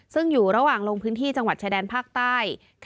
ซึ่งอยู่ระหว่างลงพื้นที่จังหวัดชายแดนภาคใต้